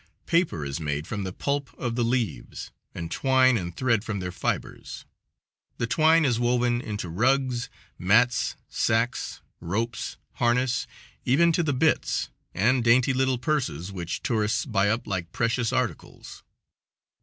Paper is made from the pulp of the leaves, and twine and thread from their fibers. The twine is woven into rugs, mats, sacks, ropes, harness, even to the bits, and dainty little purses, which tourists buy up like precious articles.